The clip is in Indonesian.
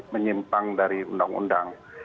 menyimpang dari undang undang